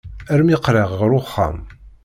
Armi qqleɣ ɣer uxxam.